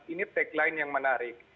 ini tagline yang menarik